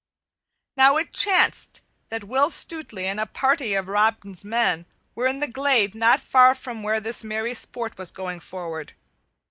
Now it chanced that Will Stutely and a party of Robin's men were in the glade not far from where this merry sport was going forward.